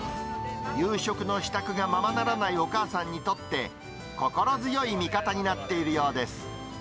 夕食の支度がままならないお母さんにとって、心強い味方になっているようです。